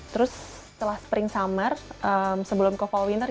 terus setelah spring summer sebelum ke fall winter